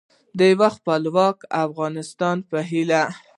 د یو خپلواک افغانستان په هیله